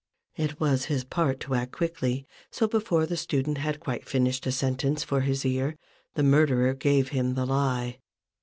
It was his part to act quickly : so before the student had quite finished a sentence for his ear, the murderer gave him the lie.